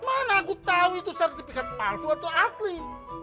mana aku tahu itu sertifikat palsu atau ahli